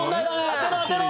当てろ当てろ！